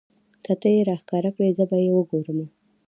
که تۀ یې راښکاره کړې زه به یې وګورمه.